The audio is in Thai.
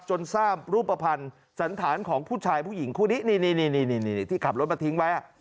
จนทราบรูปภัณฑ์สันธารของผู้ชายผู้หญิงคู่นี้นี่ที่ขับรถมาทิ้งไว้